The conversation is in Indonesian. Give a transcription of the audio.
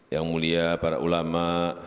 yang mulia para ulama